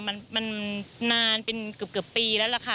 มันนานเป็นเกือบปีแล้วล่ะค่ะ